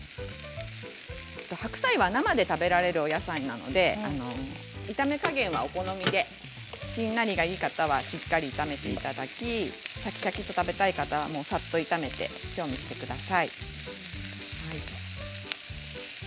白菜は生で食べられるお野菜なので炒め加減はお好みでしんなりがいい方はしっかり炒めていただきシャキシャキで食べたい方はさっと炒めてください。